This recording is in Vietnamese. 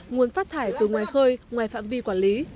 nguồn phát thải từ ngoài khơi ngoài phạm vi quản lý